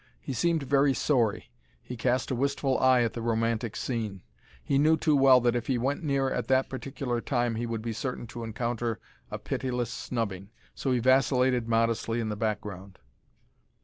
He seemed very sorry; he cast a wistful eye at the romantic scene. He knew too well that if he went near at that particular time he would be certain to encounter a pitiless snubbing. So he vacillated modestly in the background.